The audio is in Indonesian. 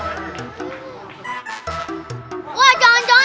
oh itu tuh teman teman